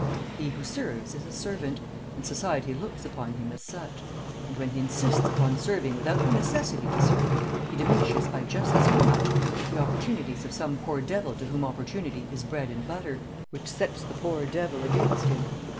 He who serves is a servant, and society looks upon him as such, and when he insists upon serving without the necessity to serve, he diminishes by just so much the opportunities of some poor devil to whom opportunity is bread and butter, which sets the poor devil against him.